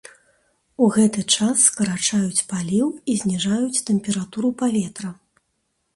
У гэты час скарачаюць паліў і зніжаюць тэмпературу паветра.